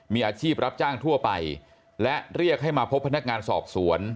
มีอาชีพรับจ้างทั่วไปและเรียกให้มาพบพนักงานสอบสวน